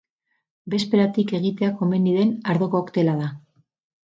Bezperatik egitea komeni den ardo-koktela da.